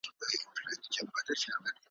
چي مو نه وینمه غم به مي په کور سي ,